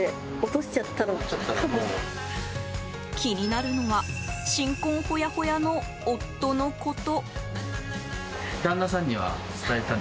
気になるのは新婚ほやほやの夫のこと。